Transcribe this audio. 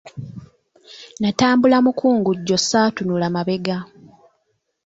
Natambula mukungujjo ssaatunula mabega.